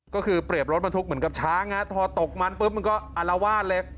ก็คือเปรียบรถบรรทุกเหมือนกับช้างพอตกมันปุ๊บมันก็อารวาสเลย